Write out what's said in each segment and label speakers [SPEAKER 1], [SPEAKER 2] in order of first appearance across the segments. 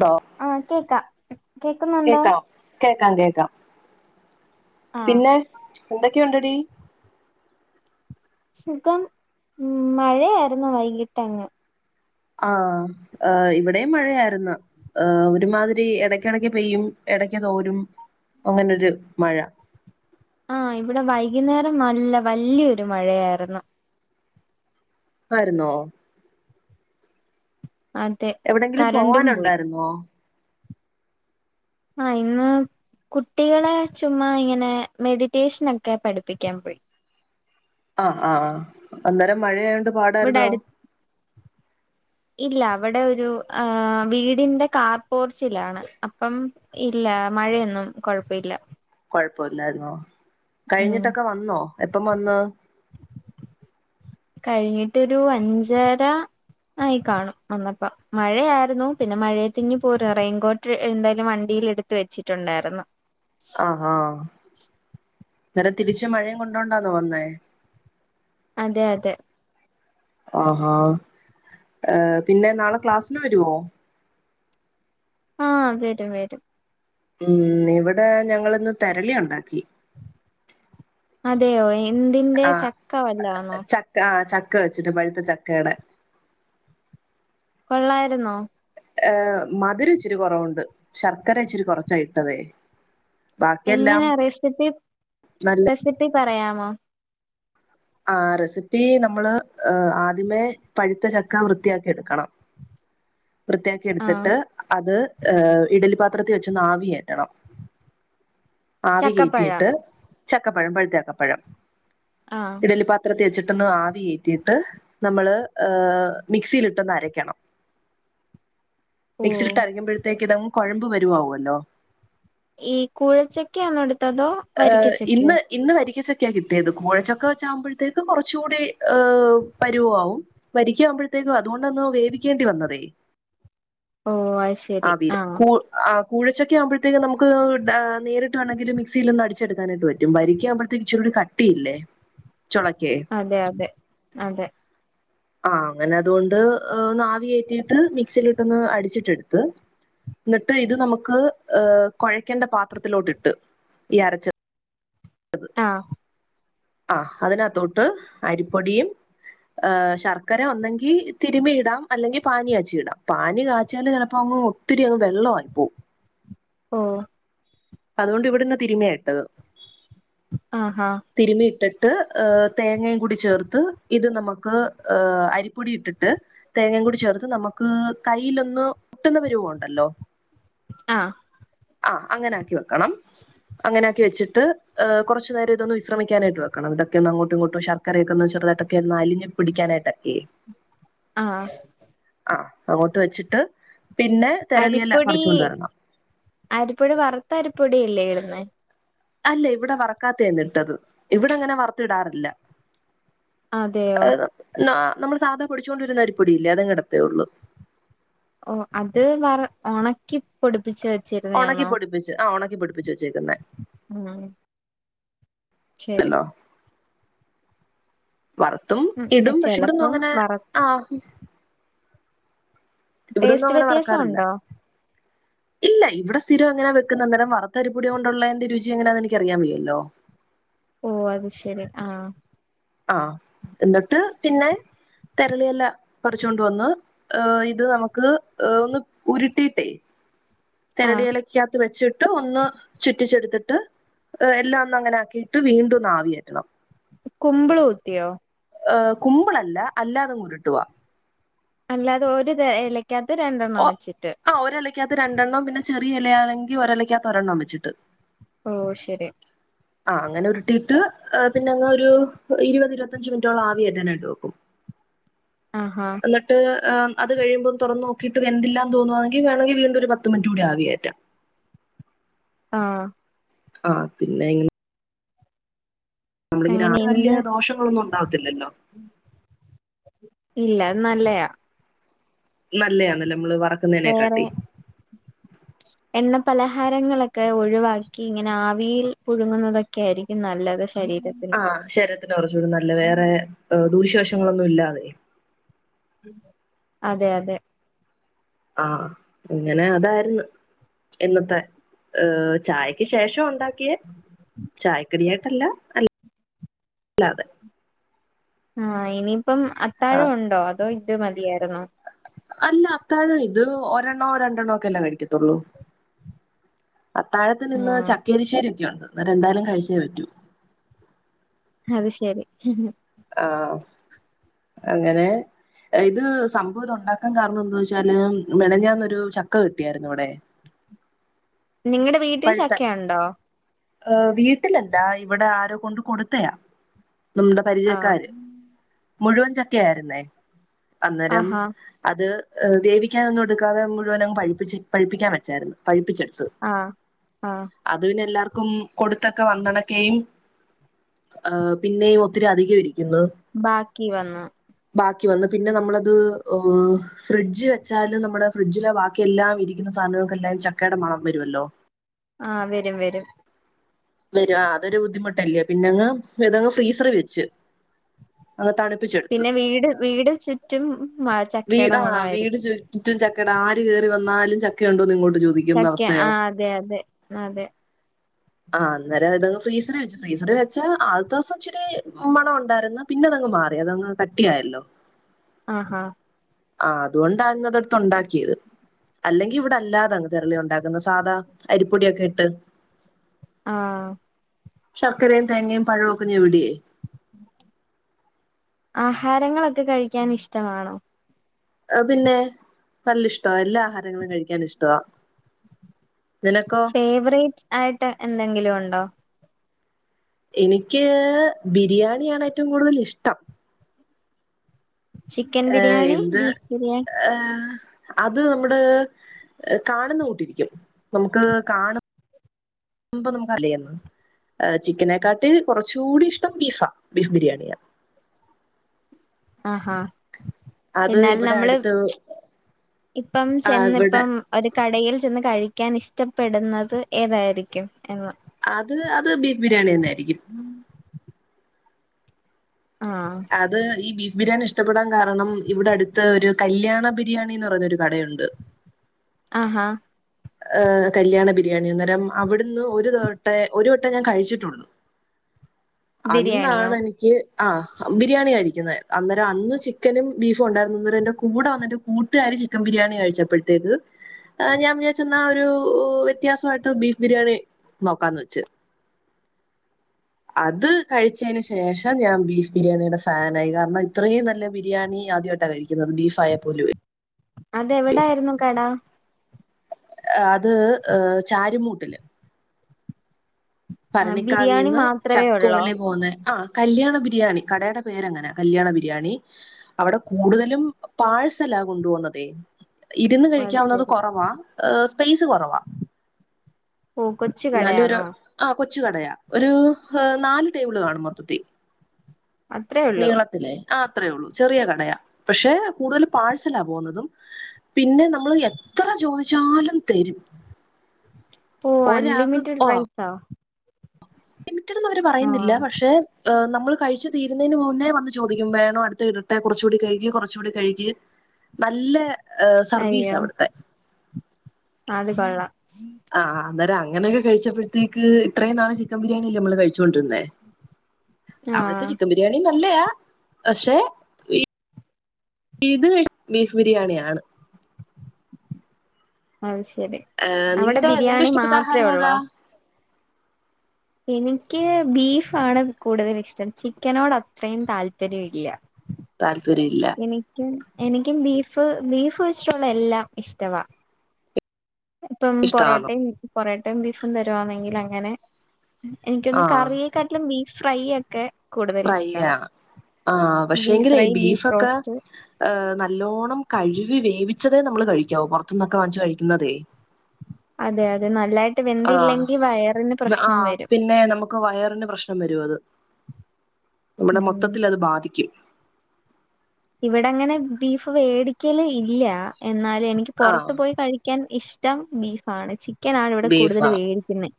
[SPEAKER 1] ണ്ടോ
[SPEAKER 2] ആഹ കേക്കാം ഉ [unintelligible] കേക്കുന്നുണ്ടോ
[SPEAKER 1] കേക്കാം കേക്കാം കേക്കാം
[SPEAKER 2] ആഹ്
[SPEAKER 1] പിന്നെ എന്തൊ ക്കെണ്ട്ടീ
[SPEAKER 2] സുഖം ഉം മഴയായിരുന്നു വൈകിട്ട് അങ്ങ്
[SPEAKER 1] ആ ഇവിടെ മഴയായിരുന്നു ഒരുമാതിരി എടക്കടക്ക് പെയ്യും എടക്ക് തോരും അങ്ങനൊരു മഴ
[SPEAKER 2] ആ ഇവിടെ വൈകുന്നേരം നല്ല വലിയൊരു മഴയായിരുന്നു
[SPEAKER 1] ആയിരുന്നോ
[SPEAKER 2] അതെ
[SPEAKER 1] എവിടെങ്കിലും
[SPEAKER 2] കരണ്ടും പോയി
[SPEAKER 1] പോവാനുണ്ടായിരുന്നോ
[SPEAKER 2] ആ ഇന്ന് കുട്ടികളെ ചുമ്മാ ഇങ്ങനെ മെഡിറ്റേഷനൊക്കെ പഠിപ്പിക്കാൻ പോയി
[SPEAKER 1] ആ ആ അന്നേരം മഴയ
[SPEAKER 2] ഇവിടെ
[SPEAKER 1] പാടായിരുന്നോ
[SPEAKER 2] അടു ഇല്ല അവിടെ ഒരു ആ വീടിന്റെ കാർപോർച്ചിലാണ് അപ്പം ഇല്ല മഴയൊന്നും കൊഴപ്പില്ല
[SPEAKER 1] കൊഴപ്പല്ലായിരുന്നോ
[SPEAKER 2] ഉം
[SPEAKER 1] കഴിഞ്ഞിട്ടൊക്കെ വന്നോ എപ്പം വന്ന്
[SPEAKER 2] കഴിഞ്ഞിട്ടൊരു അഞ്ചര ആയി കാണും വന്നപ്പ മഴയായിരുന്നു പിന്നെ മഴേത്തിങ്‌ പോര റെയിൻകോട്ട് എന്തായാലും വണ്ടിൽ എടുത്ത് വെച്ചിട്ടുണ്ടായിരുന്നു
[SPEAKER 1] ആ ഹാ നേരെ തിരിച്ച് മഴയും കൊണ്ടോണ്ടാണോ വന്നേ
[SPEAKER 2] അതെ അതെ
[SPEAKER 1] ആഹ ഏ പിന്നെ നാളെ ക്ലാസ്സിന് വരോ
[SPEAKER 2] ആ വെരും വെരും
[SPEAKER 1] ഉം ഇവിടെ ഞങ്ങളിന്ന് തെരളി ഒണ്ടാക്കി
[SPEAKER 2] അതെയോ എന്തിന്റെ ചക്ക വല്ലാ ആണോ
[SPEAKER 1] ക്ക വെച്ചിട്ട് പഴുത്ത ചക്കേടെ
[SPEAKER 2] കൊള്ളായിരുന്നോ
[SPEAKER 1] ഏ മധുരം ഇച്ചിരി കൊറവ്ണ്ട് ശർക്കര ഇച്ചിരി കൊറച്ചാ ഇട്ടതേ ബാക്കിയെല്ലാം
[SPEAKER 2] എങ്ങനാ റെസിപ്പി
[SPEAKER 1] നല്ല
[SPEAKER 2] റെസിപ്പി പറയാമോ
[SPEAKER 1] ആ റെസിപ്പി നമ്മള് ആദ്യമേ പഴുത്ത ചക്ക വൃത്തിയാക്കി എടുക്കണം വൃത്തിയാക്കി
[SPEAKER 2] ആഹ്
[SPEAKER 1] എടുത്തിട്ട് അത് ഇഡ്‌ഢലി പാ ത്രത്തി വെച്ചൊന്നാവി കേറ്റണം ആവി
[SPEAKER 2] ചക്കപ്പഴം
[SPEAKER 1] കേറ്റിട്ട് ചക് പഴം പഴുത്ത ചക്കപ്പഴം
[SPEAKER 2] ആഹ്
[SPEAKER 1] ഇഡ്ഢലി പാത്രത്തി വെച്ചിട്ട് പെട്ടെന്ന് ആവി കേറ്റിയിട്ട് നമ്മള് മിക്സിയിൽ ഇട്ടൊന്ന് അരക്കണം
[SPEAKER 2] ഓ
[SPEAKER 1] മിക്സിയിൽ അരയ്ക്കുമ്പോഴത്തേക്ക് ഇത കൊഴമ്പ് പരുവാവുല്ലോ
[SPEAKER 2] ഈ കൂഴച്ചക്കയാണോ എടു
[SPEAKER 1] ഏ ഇന്ന് ഇന്ന് വരിക്കച്ച ക്യാ കിട്ടിയത് കൂഴച്ചക്കവെച്ചാകുമ്പഴത്തേക്കും കുറച്ചുടി ഏ പരുവാവും വരിക്കമ്പോഴത്തേക്കും അതുകൊണ്ടാന്ന് വേവിക്കേണ്ടി വന്നതേ
[SPEAKER 2] ഓ അത് ശരി
[SPEAKER 1] ആവിയിൽ
[SPEAKER 2] ആഹ്
[SPEAKER 1] കു അ കൂഴച്ചക്ക ആവുമ്പോഴത്തേക്ക് നമുക്ക് നേരിട്ട് വേണമെങ്കിലും മിക്സിയിൽ ഒന്ന് അടിച്ചെടുക്കാനായിട്ട് പറ്റും വരിക്ക ആകുമ്പഴത്തേക്ക് ഇച്ചരി കൂടി കട്ടിയില്ലേ ചൊളക്കേ
[SPEAKER 2] അതെ അതെ അതെ
[SPEAKER 1] ആ അങ്ങനെ അതുകൊണ്ട് ഒന്ന് ആവി കേറ്റിയിട്ട് മിക്സിയിൽ ഇട്ട് ഒന്ന് അടിച്ചിട്ട് എടുത്ത് എന്നിട്ട് ഇത് നമുക്ക് കുഴക്കേണ്ട പാത്രത്തിലോട്ട് ഇട്ട് ഈ അരച്ചത്
[SPEAKER 2] ആ
[SPEAKER 1] ആ അതിനകത്തോട്ട് അരിപ്പൊടിയും, ശർക്കര ഉണ്ടെങ്കി തിരുമി ഇടാം അല്ലെങ്കിൽ പാനി കാച്ചി ഇടാം പാനി കാച്ചിയാല് ചിലപ്പോ അങ്ങ് ഒത്തിരി അങ്ങ് വെള്ളമായി പോകും
[SPEAKER 2] ഓ
[SPEAKER 1] അതുകൊണ്ട് ഇവിടുന്ന് തിരുമിയാ ഇട്ടത്
[SPEAKER 2] ആഹാ
[SPEAKER 1] തിരുമിയിട്ട ട്ട് തേങ്ങയും കൂടി ചേർത്ത് ഇത് നമുക്ക് അരിപ്പൊടി ഇട്ടിട്ട് തേങ്ങയും കൂടി ചേർത്ത് നമുക്ക് കൈയ്യിലൊന്നു ഒട്ടുന്ന പരുവം ഉണ്ടല്ലോ
[SPEAKER 2] ആ
[SPEAKER 1] ആ അങ്ങനെ ആക്കി വെ ക്കണം അങ്ങനെ ആക്കി വച്ചി ട്ട് കുറച്ച് നേരം ഇതൊന്നു വിശ്രമിക്കാനായിട്ട് വെക്കണം ഇതൊക്കെയൊന്ന് അങ്ങോട്ടും ഇങ്ങോട്ടും ശർക്കരയൊക്കെ ഒന്ന് ചെറുതായിട്ടൊക്കെ ഒന്ന് അലിഞ്ഞ് പിടിക്കാനായിട്ട് ഒക്കെയേ
[SPEAKER 2] ആ
[SPEAKER 1] ആ അങ്ങോട്ട് വെച്ചിട്ട് പിന്നെ തെരളിയെല
[SPEAKER 2] അരിപ്പൊടി
[SPEAKER 1] പറിച്ചുകൊണ്ട് വരണം
[SPEAKER 2] അരിപ്പൊടി വറുത്ത അരി പ്പൊടിയല്ലേ ഇടുന്നേ
[SPEAKER 1] അല്ല ഇവിടെ വറക്കാത്തതാ ഇന്ന് ഇട്ടത്. ഇവിടെ അങ്ങനെ വറത്ത് ഇടാറില്ല
[SPEAKER 2] അതെയോ
[SPEAKER 1] നമ്മൾ സദാ പൊടിച്ചു കൊണ്ട് വരുന്ന അരിപ്പൊടിയില്ലേ അതങ്ങ് ഇടത്തേയുള്ളൂ
[SPEAKER 2] ഓ അത് വറ ഒണക്കി പ്പൊടിപ്പിടിച്ച് വെച്ചിരുന്നേ
[SPEAKER 1] ഉണക്കി
[SPEAKER 2] ആണോ?
[SPEAKER 1] പൊടിപ്പിച്ച് ആ ഒ ണക്കിപൊടിപ്പിച്ച് വെച്ചേ
[SPEAKER 2] ആഹ് ശെരി
[SPEAKER 1] അല്ലോ വറത്തും
[SPEAKER 2] ഉം
[SPEAKER 1] ഇടും പക്ഷെ ഇവിടൊന്നും
[SPEAKER 2] ചെലപ്പം
[SPEAKER 1] അങ്ങനെ
[SPEAKER 2] വറ
[SPEAKER 1] ആ ഇവിടൊന്നും
[SPEAKER 2] ടേസ്റ്റ്
[SPEAKER 1] അങ്ങനെ
[SPEAKER 2] വ്യത്യാസം
[SPEAKER 1] വറക്കാറില്ല
[SPEAKER 2] ഒണ്ടോ
[SPEAKER 1] ഇല്ല ഇവിടെ സ്ഥിരം എങ്ങനാ വെക്കുന്നേ, അന്നേരം വറുത്തരിപൊടി കൊണ്ടുള്ളേന്റെ രുചി എങ്ങനാന്ന് എനിക്ക് അറിയാൻ വയ്യല്ലോ.
[SPEAKER 2] ഓ അത് ശെരി ആ
[SPEAKER 1] ആ എന്നിട്ട് പിന്നെ തെരളിയില പറിച്ചോണ്ട് വന്ന് ഏഹ് ഇതു നമുക്ക് ഏഹ് ഒന്നു ഉരുട്ടിയിട്ടേ
[SPEAKER 2] ആഹ്
[SPEAKER 1] തെരളിയിലക്കാത്ത് വെച്ച് [unintelligible] ഒന്ന് ചുറ്റിച്ചെടുത്തിട്ട്, ഏ എല്ലാം ഒന്ന് അങ്ങനാക്കീട്ട് വീണ്ടും ഒന്ന് ആവി കേറ്റണം
[SPEAKER 2] കുമ്പിള് കുത്തിയോ?
[SPEAKER 1] ഏ കുമ്പിളല്ല അല്ലാതങ്ങ് ഉരുട്ടുവാ
[SPEAKER 2] അല്ലാതെ ഒരു തേ ഏലക്ക് ക്കാത്ത് രണ്ടെണ്ണം വെച്ചിട്ട്
[SPEAKER 1] രണ്ടണ്ണോം പിന്നെ ചെറിയ എലയാണെങ്കി ഒരലക്കാത്ത് ഒരെണ്ണോം വെച്ചിട്ട്
[SPEAKER 2] ഓ ശരി.
[SPEAKER 1] ആ അങ്ങനെ ഉരുട്ടീട്ട് ഏ പിന്നങ്ങ് ഒരു ഇരുപത് ഇരുപത്തഞ്ച് മിനിറ്റോളം ആവി കേറ്റാനായിട്ട് വെക്കും.
[SPEAKER 2] ആഹാ
[SPEAKER 1] എന്നിട്ട് എം അത് കഴിയുമ്പോ തുറന്ന് കിട്ടു വെന്തില്ലാ തോന്നുവാന്നെങ്കി വേണോങ്കി വീണ്ടും ഒരു പത്തു മിനിറ്റൂടി ആവി കേറ്റാം.
[SPEAKER 2] ആ
[SPEAKER 1] ആ പിന്നെ ഇങ്ങ നമ്മള്
[SPEAKER 2] അങ്ങനെ ഇന്ന്
[SPEAKER 1] പിന്നെ [inaudible] ദോഷങ്ങളൊന്നും ഉണ്ടാവത്തില്ലല്ലോ.
[SPEAKER 2] ഇല്ല അത് നല്ലയാ.
[SPEAKER 1] നല്ലയാന്നല്ലോ നമ്മള്
[SPEAKER 2] വേറെ
[SPEAKER 1] വറക്കുന്നേനെക്കാട്ടി.
[SPEAKER 2] എണ്ണ പലഹാരങ്ങളൊക്കെ ഒഴിവാക്കി ഇങ്ങനെ ആവിയിൽ പുഴുങ്ങുന്നതൊക്കെയായിരിക്കും നല്ലത്. ശരീരത്തിന്
[SPEAKER 1] ആ ശരീരത്തിന് കുറച്ചൂടി നല്ലെ വേറെ ദൂശ്യവശങ്ങളൊന്നും ഇല്ലാതെ.
[SPEAKER 2] അതെ അതെ.
[SPEAKER 1] ആ ഇന്നലെ അതാരുന്ന്. എന്നത്തെ ഏ ചായക്ക് ശേഷം ഒണ്ടാ കിയ് ചായ കടിയാ അല്ല അൽ അല്ലാതെ.
[SPEAKER 2] ആ ഇനിമ് ഇപ്പം
[SPEAKER 1] ആഹ്
[SPEAKER 2] അത്താഴം ഉണ്ടോ അതോ ഇതുമതിയാരുന്നു.
[SPEAKER 1] അല്ല അത്താഴം ഇത് ഒരെണ്ണോ രണ്ടെണ്ണോ ഒക്കെ അല്ലേ കഴിക്കത്തുള്ളൂ. അത്താഴത്തിന് ഇന്ന്
[SPEAKER 2] ആഹ്
[SPEAKER 1] ചക്കരിശ്ശേരിയെക്കെ ഉണ്ട്. വേറെന്തായാലും കഴിച്ചേ പറ്റൂ.
[SPEAKER 2] അത് ശരി.
[SPEAKER 1] ആഹ്. അങ്ങനെ ഇത് സംഭവം ഇത് ഉണ്ടാക്കാൻ കാരണം എന്താന്ന് വെച്ചാല് മെനഞ്ഞാന്നൊരു ചക്ക കിട്ടിയായിരുന്നു ഇവിടെ.
[SPEAKER 2] നിങ്ങടെ വീട്ടിൽ ചക്കയുണ്ടോ?
[SPEAKER 1] ഏ വീട്ടിലല്ല ഇവിടെ ആരോ കൊണ്ട് കൊടുത്തയാ. നമ്മുടെ
[SPEAKER 2] ആഹ്.
[SPEAKER 1] പരിചയക്കാര്. മുഴുവൻ ചക്ക ആയിരുന്നേ. അന്നേരം
[SPEAKER 2] ആഹാ.
[SPEAKER 1] അത് വേവിക്കാന് ഒന്നും എടുക്കാതെ മുഴുവൻ അങ്ങ് പഴിപ്പിച്ചു പഴിപ്പിക്കാൻ വച്ചായിരുന്നു. പഴിപ്പിച്ചു എട്
[SPEAKER 2] ആഹ് ആഹ്.
[SPEAKER 1] അത് പിന്നെ എല്ലാർക്കും കൊടുത്തൊക്കെ വന്നണക്കയും ഏഹ് പിന്നെയും ഒത്തിരി അധികം ഇരിക്
[SPEAKER 2] ബാക്കി വന്ന്
[SPEAKER 1] ബാക്കി വന്ന് പിന്നെ നമ്മളത് ഏഹ് ഫ്രിഡ്ജ് വെച്ചാലും നമ്മടെ ഫ്രിഡ്ജിലെ ബാക്കി എല്ലാം ഇരിക്കുന്ന സാധനങ്ങൾക്കെല്ലാം ചക്കേടെ മണം വരുവല്ലോ
[SPEAKER 2] ആ വെരും വെരും.
[SPEAKER 1] വെരും ആ അതൊരു ബുദ്ധിമുട്ടല്ലേ പിന്നെങ്ങ് അതങ്ങ് ഫ്രീസറീ വെച്ച് അങ്ങ് തണുപ്പിച്ചെടുത്ത്
[SPEAKER 2] പിന്നെ വീട് വീട് ചുറ്റും മ
[SPEAKER 1] വീട്
[SPEAKER 2] ചക്കയുടെ
[SPEAKER 1] ആ വീട്
[SPEAKER 2] മണമായിരിക്കും.
[SPEAKER 1] ചുറ്റും ചക്ക് [unintelligible] ആര് കേറി വന്നാലും ചക്കയുണ്ടോന്ന് ഇങ്ങോട്
[SPEAKER 2] ചക്ക ആ അതെ അതെ അതെ.
[SPEAKER 1] ആ അന്നേരം ഇതങ്ങ് ഫ്രീസറീ വെച്ചു ഫ്രീസറീ വെച്ചാ ആദ്യത്തെ ദിവസം ഇച്ചിരി മണം ഒണ്ടായിരുന്നു പിന്നെ അതങ്ങ് മാറി അതങ്ങ് കട്ടിയായല്ലോ
[SPEAKER 2] ആ ആഹ്
[SPEAKER 1] ആ അതുകൊണ്ടാ ഇന്നതെടുത്ത് ഒണ്ടാക്കിയത് അല്ലെങ്കി ഇവിടെ അല്ലാതാ തെരളി ഒണ്ടാക്കുന്നത് സാധാ അരിപ്പൊടിയൊക്കെ ഇട്ട്
[SPEAKER 2] ആഹ്
[SPEAKER 1] ശർക്കരയും തേങ്ങയും പഴവും ഒക്കെ ഞെവിടിയേ
[SPEAKER 2] ആഹാരങ്ങളൊക്കെ കഴിക്കാൻ ഇഷ്ടമാണോ?
[SPEAKER 1] ആ പിന്നെ വല്യ ഇഷ്ട്ടവാ എല്ലാ ആഹാരങ്ങളും കഴിക്കൻ ഇഷ്ട്ടവാ
[SPEAKER 2] ഫേവറേറ്റ് ആയിട്ട് എന്തെങ്കിലും ഒണ്ടോ?
[SPEAKER 1] എനിക്ക് ബിരിയാണിയാണ് ഏറ്റവും കൂടുതൽ ഇഷ്ട്ടം.
[SPEAKER 2] ചിക്കൻ
[SPEAKER 1] ഏ
[SPEAKER 2] ബിരിയാണി,
[SPEAKER 1] എന്ത്
[SPEAKER 2] ബീഫ് ബിരിയാണി
[SPEAKER 1] ഏഹ് അത് നമ്മ്ടെ കാണ്ന്ന കൂട്ടിരിക്കും നമ്ക്ക് കാണ് മ്പോ നമ്ക്ക് അർലേര്ന്ന് ഏ ചിക്കനേക്കാട്ടിൽ കൊറച്ചൂടിഷ്ടം ബീഫാ ബീഫ് ബിര്‌യാണിയാ
[SPEAKER 2] ആ ഹാ എന്നാൽ
[SPEAKER 1] ഇവിടെ
[SPEAKER 2] നമ്മള്
[SPEAKER 1] അടുത്ത്
[SPEAKER 2] ഇപ്പം
[SPEAKER 1] ഇവിടെ
[SPEAKER 2] ചെന്നിപ്പം ഒര് കടയിൽ ചെന്ന് കഴി ക്കാൻ ഇഷ്ടപ്പെട്ന്നത് ഏതായിരിക്കും എന്ന്
[SPEAKER 1] ത് ബീഫ് ബിര്യാണെന്നെ ടികും
[SPEAKER 2] ആഹ്.
[SPEAKER 1] അത് ഈ ബീഫ് ബിര്‌യാണി ഇഷ് ട്ടപ്പെടാൻ കാരണം ഇവ്ടെ അട്ത്ത് ഒര് കല്യാണ ബിരിയാണീന്ന് പറഞ്ഞൊര് കടയൊണ്ട്
[SPEAKER 2] ആഹാ
[SPEAKER 1] ഏ കല്യാണ ബിരിയാണി അന്നേരം അവിട്ന്ന് ഒരു തട്ടേ ഒരു വട്ടേ ഞാൻ കഴിച്ചിട്ടാെള്ളൂ
[SPEAKER 2] ബിരിയാണിയോ
[SPEAKER 1] അന്നാണെനിക്ക് ആ ബിരിയാണി കഴിക്ക്ന്നേ അന്നേരം അന്ന് ചിക്കനും ബീഫും ഒണ്ടായ്ര്ന്ന് അന്നേരം എന്റെ കൂടെ വന്നെന്റെ കൂട്ടുകാര് ചിക്കൻ ബിരിയാണി കഴിച്ചപ്പഴ്ത്തേക്ക് എ ഞാ ഞാൻ ച്ചെന്നാ ഒരു ഊ വ്യത്യാസമായ്ട്ട് ബീഫ് ബിരിയാണി നോക്കാന്ന് വെച്ച് അത് കഴിച്ചേന് ശേഷം ഞാം ബീഫ് ബിരിയാണീടെ ഫാനായി കാരണം ഇത്രേയും നല്ല ബിരിയാണി ആദ്യമായിട്ടാ കഴിക്ക്ന്നത് ബീഫായാ പോലുവേ
[SPEAKER 2] അതെവിടായിരുന്നു കട
[SPEAKER 1] അത് ഏ ചാരുമൂട്ടില്
[SPEAKER 2] ആ ബിരിയാണി
[SPEAKER 1] ഭർണിക്കാവിന്ന്
[SPEAKER 2] മാത്രമേ ഉള്ളോ
[SPEAKER 1] ചക്കുവള്ളി പോകുന്ന ആ കല്യാണ ബിരിയാണി കടയുടെ പേര്ങ്ങനെ കല്യാണ ബിരിയാണി അവിടെ കൂടുതലും പാഴ്സലാ കൊണ്ടു പോന്നതേ ഇരുന്ന്
[SPEAKER 2] ഓ അത്
[SPEAKER 1] കഴിക്കാവുന്നത്
[SPEAKER 2] ശരി
[SPEAKER 1] കുറവാ സ്പേസ് കുറവാ
[SPEAKER 2] ഓ കൊച്ചു
[SPEAKER 1] നല്ലൊരു
[SPEAKER 2] കടയാണോ
[SPEAKER 1] കൊച്ച് കടയാ ഒരു നാല് ടേബിൾ കാണും മൊത്തത്തി
[SPEAKER 2] അത്രേ ഉള്ളൂ
[SPEAKER 1] നീളത്തിലെ ആ അത്രേള്ളൂ ചെറിയ കടയാ പക്ഷെ കൂടുതൽ പാഴ്സല പോന്നതും പിന്നെ നമ്മൾ എത്ര ചോദിച്ചാലും തരും
[SPEAKER 2] ഓ
[SPEAKER 1] ഒരാൾക്ക്
[SPEAKER 2] അൺലിമിറ്റഡ്
[SPEAKER 1] ആ
[SPEAKER 2] റൈസാ
[SPEAKER 1] പറയുന്നില്ല പക്ഷെ നമ്മള് കഴിച്ചു തീരുന്നതിന് മുന്നേ വന്ന് ചോദിക്കും വേണോ അടുത്ത് ഇടട്ടെ കുറച്ചുകൂടി കഴിക്ക് കുറച്ചുകൂടി കഴിക്ക് നല്ല ഏഹ് സർവീസ
[SPEAKER 2] അയ്യോ
[SPEAKER 1] അവിടുത്തെ
[SPEAKER 2] അത് കൊള്ളാം
[SPEAKER 1] ആഹ് അന്നേരം അങ്ങനൊക്കെ കഴിച്ചപ്പഴ്ത്തേക്ക് ഇത്രയും നാള് ചിക്കൻ ബിരിയാണില്ലേ നമ്മള് കഴി ച്ചോണ്ടിരുന്നെ
[SPEAKER 2] ആ
[SPEAKER 1] അവിടുത്തെ ചിക്കൻ ബിരിയാണി ന നല്ലയാ പക്ഷെ ഇത് ബീഫ് ബിരിയാണിയാണ്
[SPEAKER 2] അ ശ ശരി അവിടെ
[SPEAKER 1] നിന്റെ നിന്റെ
[SPEAKER 2] ബിരിയാണി
[SPEAKER 1] ഇഷ്ടപ്പെട്ട
[SPEAKER 2] മാത്രേ
[SPEAKER 1] ആഹാരം ഏതാ
[SPEAKER 2] ഉള്ളോ എനിക്ക് ബീഫാണ് കൂടുതല് ഇഷ്ടം ചിക്കനോട് അത്രയും താല്പര്യവില്ല
[SPEAKER 1] താല്പര്യം ഇല്ല
[SPEAKER 2] എനിക്കും ബീഫ് ബീഫ് വെച്ചിട്ടുള്ള എല്ലാം ഇഷ്ടവാ ഇപ്പം
[SPEAKER 1] ഇഷ്ടമാണോ
[SPEAKER 2] പൊറോട്ടയും പൊറോട്ടയും ബീഫും തരുവാണെങ്കിൽ അ എങ്ങനെ എനിക്കൊന്ന്
[SPEAKER 1] ആ
[SPEAKER 2] കറിയെക്കാട്ടിലും ബീഫ് ഫ്രൈയൊക്കെ
[SPEAKER 1] ഫ്രൈയാണ് ആ
[SPEAKER 2] ബീഫ്
[SPEAKER 1] പക്ഷേങ്കിലെയ്
[SPEAKER 2] ഫ്രൈ ബീഫ്
[SPEAKER 1] ബീഫെക്ക
[SPEAKER 2] റോസ്റ്റ്
[SPEAKER 1] ഏ നല്ലോണം കഴുവി വേവി ച്ചതേ നമ്മള് കഴിക്കാവൂ പൊറത്ത്ന്നൊക്കെ വാങ്ങിച്ച് കഴിക്കുന്നതേ
[SPEAKER 2] അതെ അതെ നല്ലായി
[SPEAKER 1] ആ ആ
[SPEAKER 2] വരും
[SPEAKER 1] പിന്നേ നമുക്ക് വയറിന് പ്രശ്‌നം വരും അത് നമ്മളെ
[SPEAKER 2] ഉം
[SPEAKER 1] മൊത്തത്തിലത് ബാധിക്കും
[SPEAKER 2] ഇവിടങ്ങനെ ബീഫ് വേടിക്കലില്ലാ എന്നാലും എനിക്ക്
[SPEAKER 1] ആ
[SPEAKER 2] പൊറത്ത് പോയി കഴിക്കാൻ ഇഷ്‌ടം ബീഫാണ് ചിക് ക്കനാണിവിടെ
[SPEAKER 1] ബീഫാ
[SPEAKER 2] കൂടുതല് വേടിക്കുന്നെ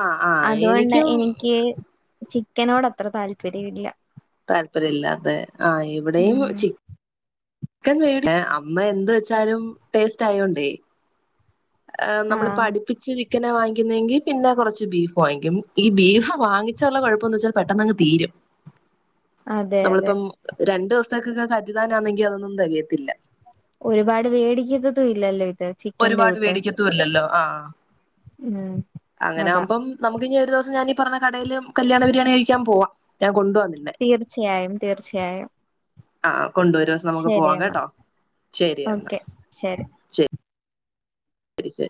[SPEAKER 1] ആ ആ
[SPEAKER 2] അതുകൊണ്ടാ
[SPEAKER 1] എനിക്കും
[SPEAKER 2] എനിക്ക് ചിക്കൻ ക്കനോടത്ര താൽപര്യവില്ല
[SPEAKER 1] താല്പര്യല്ല അതെ ആ ഇവടെയും
[SPEAKER 2] ഉം
[SPEAKER 1] ചിക് ക്കൻ വേടിക്കും അമ്മ എന്തു വെച്ചാലും ടേസ്റ്റായോണ്ടേ ആ നമ്മളിപ്പോ
[SPEAKER 2] ആഹ്
[SPEAKER 1] അടുപ്പിച്ച് ചിക് ക്കനാ വാങ്ങിക്കുന്നെങ്കി പിന്നെ കൊറച്ച് ബീഫ് വാങ്ങിക്കും ഈ ബീഫ് വാങ്ങിച്ചാ ഒള്ള കൊഴപ്പന്നു വെച്ചാ പെട്ടെന്നങ്ങു തീരും
[SPEAKER 2] അതെ അതെ
[SPEAKER 1] നമ്മളിപ്പം രണ്ട് ണ്ടു ദിവസത്തേക്കൊക്കെ കരുതാനാന്നെങ്കി അതൊന്നും തെകയത്തില്ല
[SPEAKER 2] ഒരുപാട് വേടിക്കത്തത്തുയില്ലല്ലേ
[SPEAKER 1] ഒരുപാട് മേടിക്കത്തു ഇല്ലല്ലോ ആഹ്
[SPEAKER 2] ഉം അതാ
[SPEAKER 1] അങ്ങനാവുമ്പം നമു ഇനിയൊരു ദെവസം ഞാനീ പറഞ്ഞ കടേല് കല്യാണ ബിരിയാണി കഴിക്കാൻ പോവാം ഞാൻ കൊണ്ടു പോവാം
[SPEAKER 2] തീർച്ചയായും തീർച്ചയായും
[SPEAKER 1] ആ ആ കൊണ്ടുവരും ഒരു ദെവസം നമുക്ക്
[SPEAKER 2] ശരി
[SPEAKER 1] പോവാം
[SPEAKER 2] എന്നാ
[SPEAKER 1] കേട്ടോ ശരി എന്നാ
[SPEAKER 2] ഓക്കെ ശരി
[SPEAKER 1] ശരി ശെരി